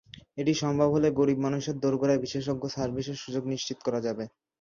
এটি সম্ভব হলে গরিব মানুষের দোরগোড়ায় বিশেষজ্ঞ সার্ভিসের সুযোগ নিশ্চিত করা যাবে।